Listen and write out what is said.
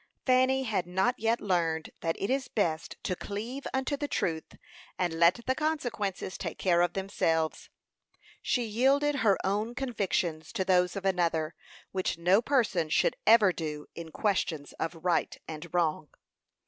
Fanny had not yet learned that it is best to cleave unto the truth, and let the consequences take care of themselves. She yielded her own convictions to those of another, which no person should ever do in questions of right and wrong.